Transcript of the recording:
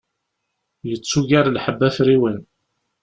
Yettugar lḥebb afriwen.